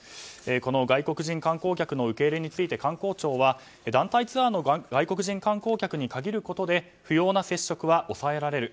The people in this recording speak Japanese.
この外国人観光客の受け入れについて観光庁は団体ツアーの外国人観光客に限ることで不要な接触は抑えられる。